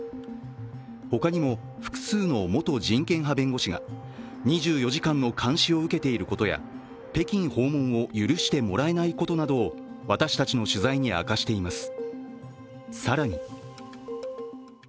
他にも、複数の元人権派弁護士が２４時間の監視を受けていることや北京訪問を許してもらえないことなどを私たちの取材に明かしています。